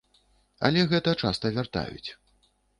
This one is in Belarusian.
Але гэта часта вяртаюць.